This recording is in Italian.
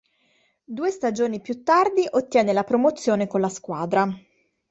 Due stagioni più tardi ottiene la promozione con la squadra.